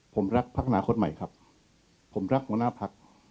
ผมรักพักอนาคตใหม่ครับผมรักมงานาภักดิ์